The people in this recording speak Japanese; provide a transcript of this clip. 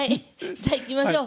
じゃあいきましょう。